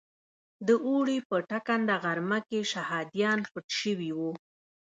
د اوړي په ټکنده غرمه کې شهادیان پټ شوي وو.